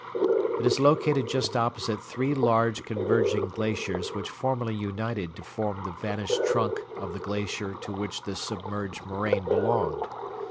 It is located just opposite three large converging glaciers which formerly united to form the vanished trunk of the glacier to which the submerged moraine belonged.